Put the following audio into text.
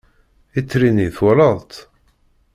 Itri-nni twalaḍ-t?